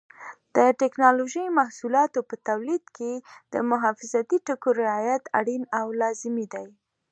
د ټېکنالوجۍ محصولاتو په تولید کې د حفاظتي ټکو رعایت اړین او لازمي دی.